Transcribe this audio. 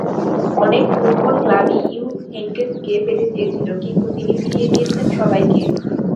অনেক ফুটবল ক্লাবই ইয়ুপ হেইঙ্কেসকে পেতে চেয়েছিল, কিন্তু তিনি ফিরিয়ে দিয়েছেন সবাইকে।